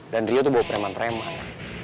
dan rio tuh bawa preman preman